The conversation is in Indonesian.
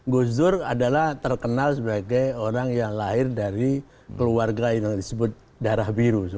gus dur adalah terkenal sebagai orang yang lahir dari keluarga yang disebut darah biru